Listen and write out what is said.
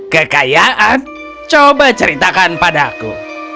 kekayaan coba ceritakan padaku